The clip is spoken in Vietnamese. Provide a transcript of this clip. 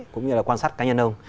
cũng như là quan sát cá nhân ông